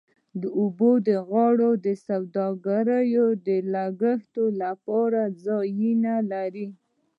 د اوبو پر غاړه سوداګرۍ د کښتیو لپاره ځایونه لري